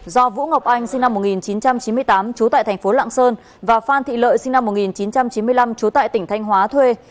do vũ ngọc anh sinh năm một nghìn chín trăm chín mươi tám trú tại thành phố lạng sơn và phan thị lợi sinh năm một nghìn chín trăm chín mươi năm trú tại tỉnh thanh hóa thuê